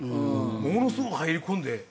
ものすごく入り込んで。